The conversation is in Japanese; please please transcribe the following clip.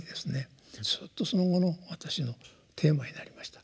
ずっとその後の私のテーマになりました。